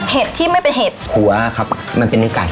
ที่ไม่เป็นเห็ดหัวครับมันเป็นในไก่